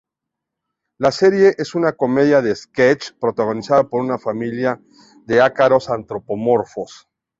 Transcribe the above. La serie es una comedia de "sketches" protagonizada por una familia de ácaros antropomorfos.